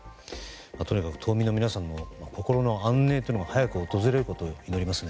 島民の皆さんの心の安寧が早く訪れることを祈りますね。